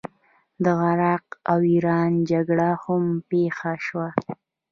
د عراق او ایران جګړه هم پیښه شوه.